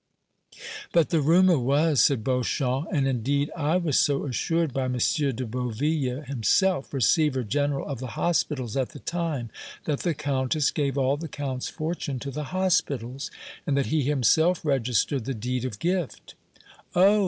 "But the rumor was," said Beauchamp, "and indeed I was so assured by M. de Boville himself, Receiver General of the Hospitals, at the time, that the Countess gave all the Count's fortune to the hospitals, and that he himself registered the deed of gift." "Oh!